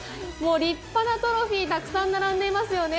立派なトロフィーがたくさん並んでいますよね。